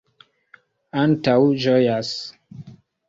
antaŭĝojas